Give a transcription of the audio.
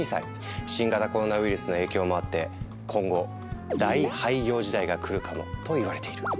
新型コロナウイルスの影響もあって今後大廃業時代が来るかもといわれている。